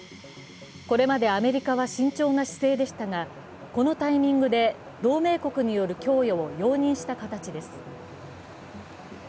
これまでアメリカは慎重な姿勢でしたが、このタイミングで同盟国による供与を容認した形です。